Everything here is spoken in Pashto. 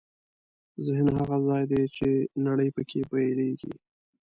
ذهن هغه ځای دی چې نړۍ پکې پیلېږي.